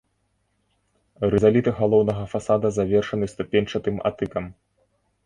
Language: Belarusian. Рызаліт галоўнага фасада завершаны ступеньчатым атыкам.